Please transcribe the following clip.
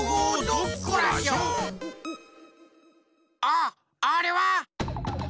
あっあれは！